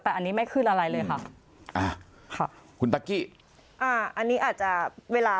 แต่อันนี้ไม่ขึ้นอะไรเลยค่ะอ่าค่ะคุณตั๊กกี้อ่าอันนี้อาจจะเวลา